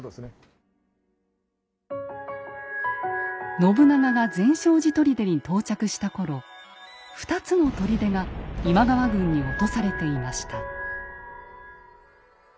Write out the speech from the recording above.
信長が善照寺砦に到着した頃２つの砦が今川軍に落とされていました。